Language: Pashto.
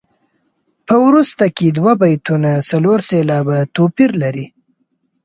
په وروسته کې دوه بیتونه څلور سېلابه توپیر لري.